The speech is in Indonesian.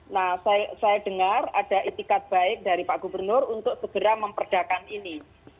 nah saya dengar ada itikat baik dari pak gubernur untuk segera memperdakan ini